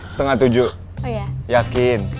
setengah tujuh yakin